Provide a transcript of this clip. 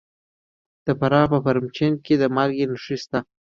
د فراه په پرچمن کې د مالګې نښې شته.